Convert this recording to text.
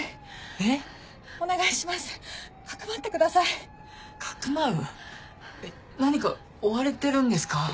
えっ何か追われてるんですか？